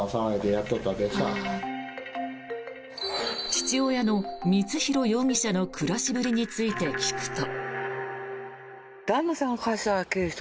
父親の光弘容疑者の暮らしぶりについて聞くと。